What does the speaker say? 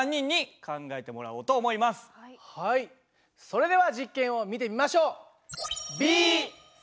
それでは実験を見てみましょう。